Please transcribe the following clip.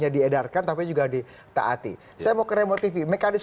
karna tarif kecil